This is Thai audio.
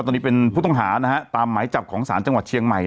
ตอนนี้เป็นผู้ต้องหานะฮะตามหมายจับของศาลจังหวัดเชียงใหม่